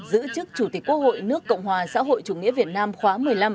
giữ chức chủ tịch quốc hội nước cộng hòa xã hội chủ nghĩa việt nam khóa một mươi năm